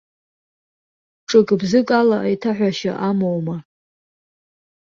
Ҿык-бзык ала еиҭаҳәашьа амоума.